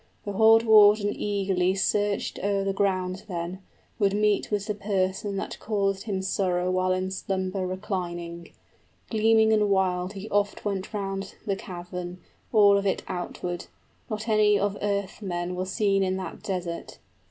The hoard warden eagerly Searched o'er the ground then, would meet with the person That caused him sorrow while in slumber reclining: 75 Gleaming and wild he oft went round the cavern, All of it outward; not any of earthmen Was seen in that desert.